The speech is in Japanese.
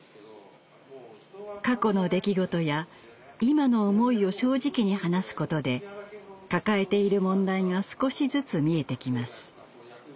過去の出来事や今の思いを正直に話すことで抱えている問題が少しずつ見えてきます。